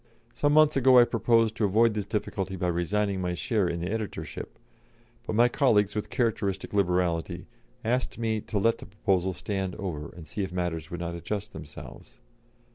Some months ago I proposed to avoid this difficulty by resigning my share in the editorship; but my colleague, with characteristic liberality, asked me to let the proposal stand over and see if matters would not adjust themselves.